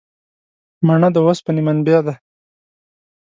مڼه د اوسپنې منبع ده.